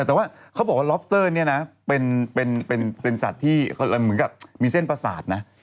แต่ว่าเขาบอกว่าล็อปเตอร์เนี่ยนะเป็นสัตว์ที่เหมือนกับมีเส้นประสาทนะ